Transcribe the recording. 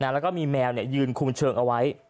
แล้วก็มีแมวยืนคุมเชิงเอาไว้